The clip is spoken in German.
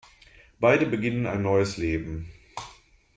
Beide beginnen ein neues Leben.